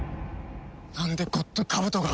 なんでゴッドカブトが？